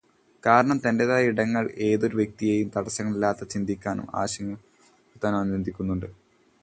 കാരണം, തന്റേതായ ഇടങ്ങൾ ഏതൊരു വ്യക്തിയെയും തടസ്സങ്ങളില്ലാതെ ചിന്തിക്കാനും ആശയങ്ങൾ രൂപപ്പെടുത്താനും അനുവദിക്കുന്നുണ്ട്.